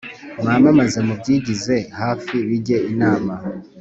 Mwamamaze mubyigize hafi bijye inama